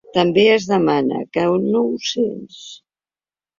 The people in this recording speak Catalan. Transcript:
També es demana: Que no ho sents?